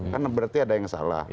kan berarti ada yang salah